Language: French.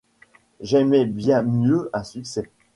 J'aimais bien mieux un succès.